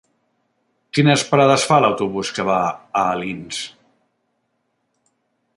Quines parades fa l'autobús que va a Alins?